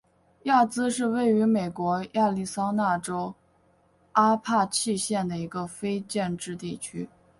亚兹是位于美国亚利桑那州阿帕契县的一个非建制地区。